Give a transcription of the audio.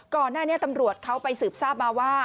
ก่อนหน้านี้ตำรวจเขาไปสืบทราบมาว่า